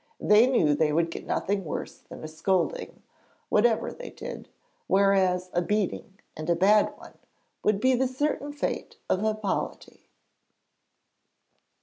They knew they would get nothing worse than a scolding, whatever they did, whereas a beating, and a bad one, would be the certain fate of Hippolyte.